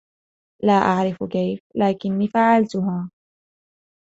لا أعرف كيف، لكنّي فعلتها.